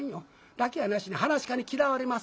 だけやなしに噺家に嫌われます。